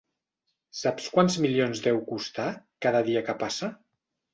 Saps quants milions deu costar, cada dia que passa?